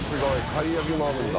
貝焼きもあるんだ。